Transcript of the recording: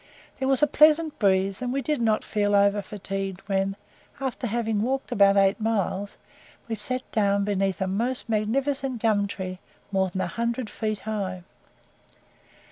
There was a pleasant breeze, and we did not feel over fatigued when, after having walked about eight miles, we sat down beneath a most magnificent gum tree, more than a hundred feet high.